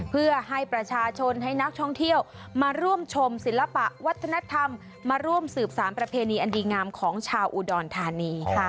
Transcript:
เพื่อให้ประชาชนให้นักท่องเที่ยวมาร่วมชมศิลปะวัฒนธรรมมาร่วมสืบสารประเพณีอันดีงามของชาวอุดรธานีค่ะ